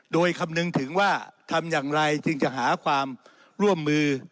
โดยคำนึงถึงว่าทำอย่างไรจึงจะหาความร่วมมือ